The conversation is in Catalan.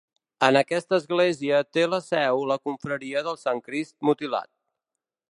En aquesta església té la seu la Confraria del Santcrist Mutilat.